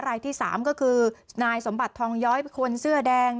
รายที่๓ก็คือนายสมบัติทองย้อยคนเสื้อแดง